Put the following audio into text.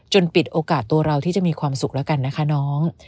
ปิดโอกาสตัวเราที่จะมีความสุขแล้วกันนะคะน้อง